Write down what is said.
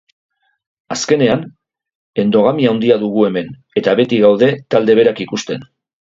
Azkenean, endogamia handia dugu hemen, eta beti gaude talde berak ikusten.